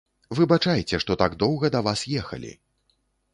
Выбачайце, што так доўга да вас ехалі!